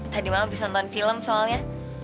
tadi malam bisa nonton film soalnya